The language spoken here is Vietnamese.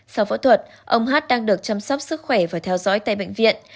sau phẫu thuật ông hát đang được chăm sóc sức khỏe và theo dõi tại bệnh viện